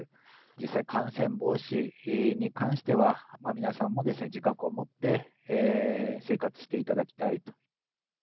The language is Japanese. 実際、感染防止に関しては、皆さんも自覚を持って、生活していただきたいと。